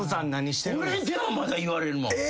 俺でもまだ言われるもん。